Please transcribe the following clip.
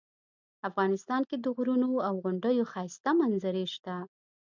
افغانستان کې د غرونو او غونډیو ښایسته منظرې شته